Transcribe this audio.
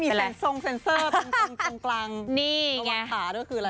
มีเซ็นเซอร์ตรงกลางระวังตาด้วยคืออะไร